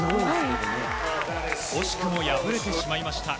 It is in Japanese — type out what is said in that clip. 惜しくも敗れてしまいました。